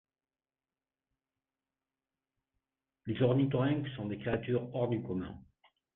Les ornithorynques sont des créatures hors du commun.